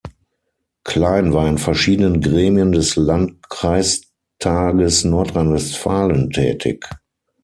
Klein war in verschiedenen Gremien des Landkreistages Nordrhein-Westfalen tätig.